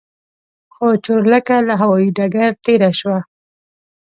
خو چورلکه له هوايي ډګر تېره شوه.